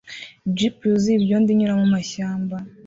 Jeep yuzuye ibyondo inyura mumashyamba